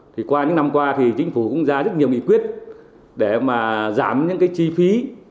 thì qua những năm qua thì chính phủ cũng ra rất nhiều nghị quyết để mà giảm những cái chi phí